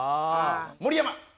盛山。